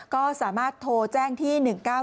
ก็สามารถโทรแจ้งที่๑๙๙